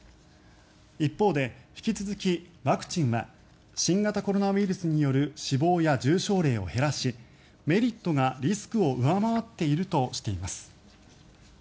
一方で引き続きワクチンは新型コロナウイルスによる死亡や重症例を減らしメリットがリスクを上回っているとしています。